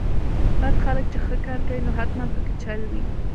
بد خلک چې ښه کار کوي نو حتماً پکې چل وي.